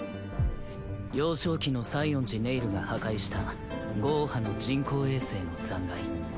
幼少期の西園寺ネイルが破壊したゴーハの人工衛星の残骸。